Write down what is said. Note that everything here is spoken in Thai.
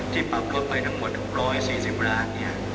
ที่ปรับรถไปทั้งหมด๖๔๐ราย